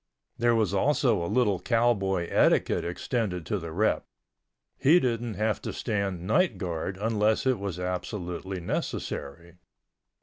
There was also a little cowboy etiquette extended to the rep—he didn't have to stand night guard unless it was absolutely necessary.